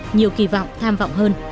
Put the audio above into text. nhiều kỳ vọng tham vọng hơn